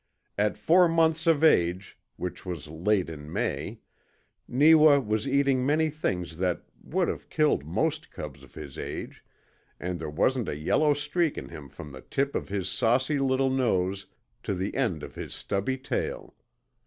At four months of age, which was late in May, Neewa was eating many things that would have killed most cubs of his age, and there wasn't a yellow streak in him from the tip of his saucy little nose to the end of his stubby tail.